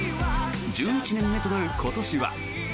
１１年目となる今年は。